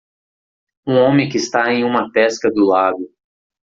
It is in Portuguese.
Um homem que está em uma pesca do lago.